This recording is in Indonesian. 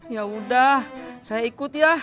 yaudah saya ikut ya